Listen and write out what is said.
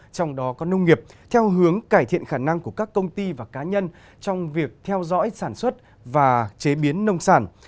trong đó có nông nghiệp theo hướng cải thiện khả năng của các công ty và cá nhân trong việc theo dõi sản xuất và chế biến nông sản